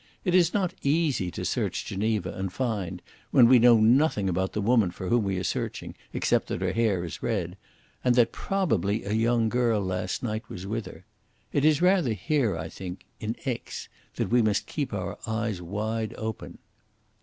It is not easy to search Geneva and find, when we know nothing about the woman for whom we are searching, except that her hair is red, and that probably a young girl last night was with her. It is rather here, I think in Aix that we must keep our eyes wide open."